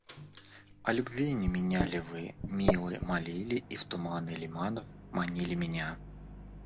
О любви не меня ли вы, милый, молили, и в туманы лиманов манили меня?